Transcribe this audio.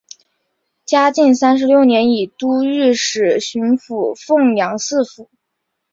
嘉靖三十六年以都御史巡抚凤阳四府。